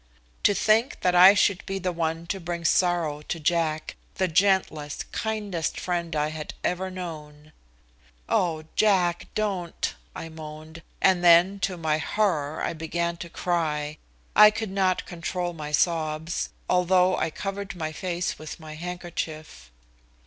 To think that I should be the one to bring sorrow to Jack, the gentlest, kindest friend I had ever known! "Oh, Jack, don't!" I moaned, and then, to my horror, I began to cry. I could not control my sobs, although I covered my face with my handkerchief.